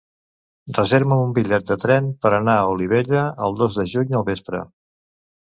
Reserva'm un bitllet de tren per anar a Olivella el dos de juny al vespre.